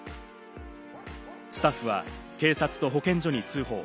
スタッフは警察と保健所に通報。